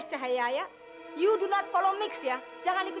sampai jumpa di video selanjutnya